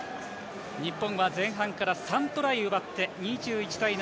日本は前半から３トライ奪って２１対７。